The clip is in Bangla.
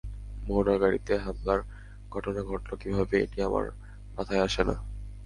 মোহনার গাড়িতে হামলার ঘটনা ঘটল কীভাবে, এটি আমার মাথায় আসে না।